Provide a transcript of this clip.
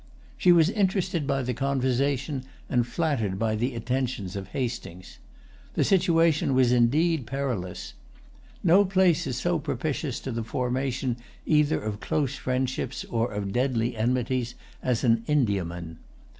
She was interested by the conversation and flattered by the attentions of Hastings. The situation was indeed perilous. No place is so propitious to the formation either of close friendships or of deadly enmities as an Indiaman.